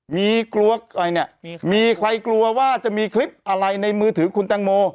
มีใครกลัวว่าจะมีคลิปอะไรในมือถือคุณแตงโม